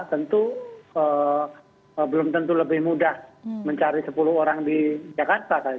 tentu belum tentu lebih mudah mencari sepuluh orang di jakarta